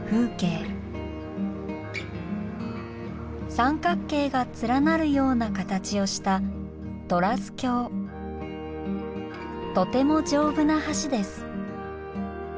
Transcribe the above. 三角形が連なるような形をしたとてもじょうぶな橋です。